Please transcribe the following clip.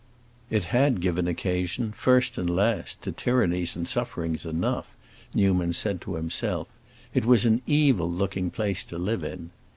It had given occasion, first and last, to tyrannies and sufferings enough, Newman said to himself; it was an evil looking place to live in.